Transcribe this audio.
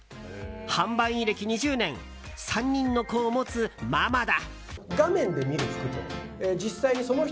販売員歴２０年３人の子を持つママだ。